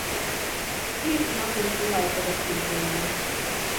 Hét napig uralkodott Izraelen.